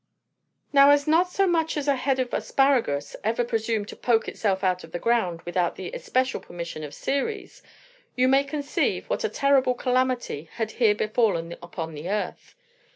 Now, as not so much as a head of asparagus ever presumed to poke itself out of the ground without the especial permission of Ceres, you may conceive what a terrible calamity had here fallen upon the earth.